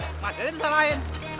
abang aja yang tukang aja